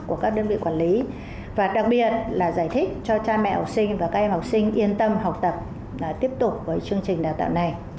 của các đơn vị quản lý và đặc biệt là giải thích cho cha mẹ học sinh và các em học sinh yên tâm học tập và tiếp tục với chương trình đào tạo này